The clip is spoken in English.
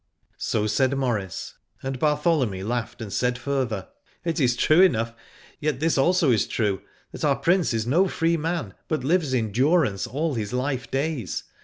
So said Maurice, and Bartholomy laughed and said further, It is true enough, yet this also is true, that our Prince is no free man, but lives in durance all his life days.